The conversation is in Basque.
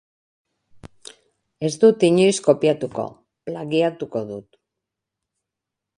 Ez dut inoiz kopiatuko, plagiatuko dut.